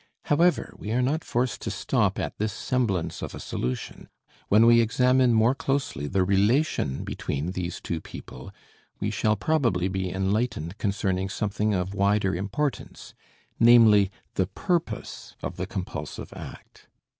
However, we are not forced to stop at this semblance of a solution; when we examine more closely the relation between these two people, we shall probably be enlightened concerning something of wider importance, namely, the purpose of the compulsive act.